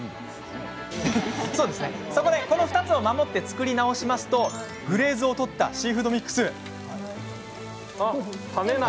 そこでその２つを守って作り直すとグレーズを取ったシーフードミックス。